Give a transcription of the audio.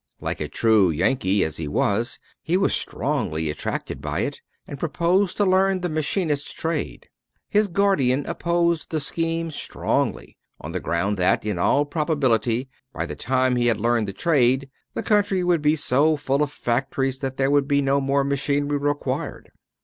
Like a true Yankee as he was, he was strongly attracted by it, and proposed to learn the machinist's trade. His guardian opposed the scheme strongly, on the ground that, in all probability, by the time he had learned the trade the country would be so full of factories that there would be no more machinery required.